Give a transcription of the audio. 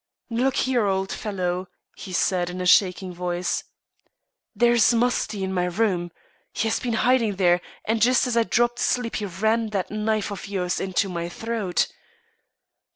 "Look here, old fellow," said he in a shaking voice, "there is Musty in my room. He has been hiding there, and just as I dropped asleep he ran that knife of yours into my throat."